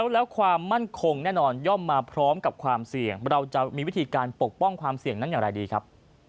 แล้วความมั่นคงแน่นอนย่อมมาพร้อมกับความเสี่ยงเราจะมีวิธีการปกป้องความเสี่ยงนั้นอย่างไรดีครับ